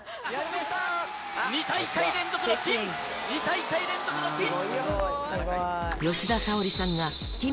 ２大会連続の金。